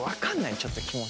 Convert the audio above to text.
ちょっと気持ち。